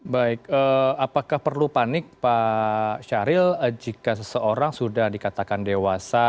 baik apakah perlu panik pak syahril jika seseorang sudah dikatakan dewasa